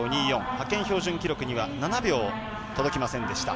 派遣標準記録には７秒届きませんでした。